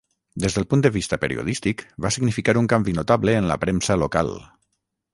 Des del punt de vista periodístic va significar un canvi notable en la premsa local.